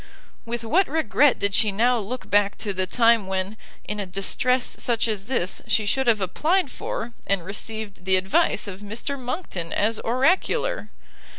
With what regret did she now look back to the time when, in a distress such as this, she should have applied for, and received the advice of Mr Monckton as oracular!